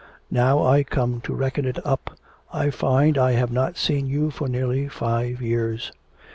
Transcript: Now I come to reckon it up, I find I have not seen you for nearly five years.'